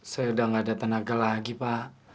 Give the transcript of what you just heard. saya udah gak ada tenaga lagi pak